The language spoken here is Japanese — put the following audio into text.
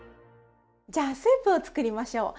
じゃあスープを作りましょう。